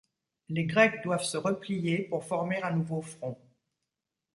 Les Grecs doivent se replier pour former un nouveau front.